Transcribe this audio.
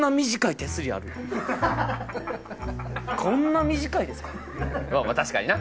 こんな短いですか？